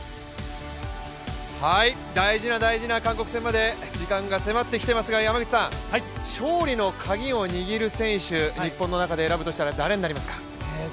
大事な大事な韓国戦まで時間が迫ってきてますが勝利のカギを握る選手、日本の中で選ぶとしたら誰ですか？